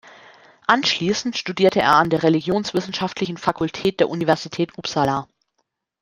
Anschließend studierte er an der Religionswissenschaftlichen Fakultät der Universität Uppsala.